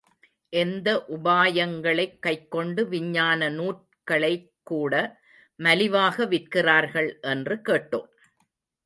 எந்த உபாயங்களைக் கைக்கொண்டு விஞ்ஞான நூற்களைக்கூட மலிவாக விற்கிறார்கள் என்று கேட்டோம்.